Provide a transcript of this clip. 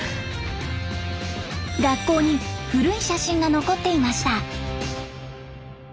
学校に古い写真が残っていました。